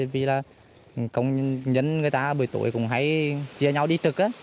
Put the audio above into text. vì là công nhân người ta một mươi tuổi cũng hay chia nhau đi trực